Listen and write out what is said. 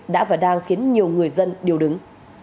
đã và đang khiến nhiều người dân điều đứng